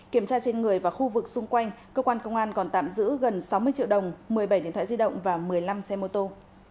kiểm tra trên người và khu vực xung quanh cơ quan công an còn tạm giữ gần sáu mươi triệu đồng một mươi bảy điện thoại di động và một mươi năm xe mô tô